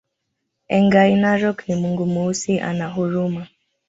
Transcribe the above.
Engai Narok ni mungu Mweusi ana huruma